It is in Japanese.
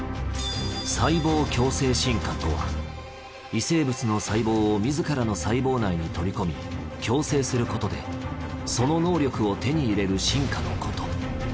細胞共生進化とは異生物の細胞を自らの細胞内に取り込み共生することでその能力を手に入れる進化のこと。